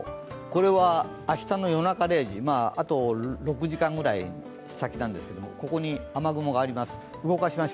これは、明日の夜中０時あと６時間ぐらい先なんですけどここに雨雲があります。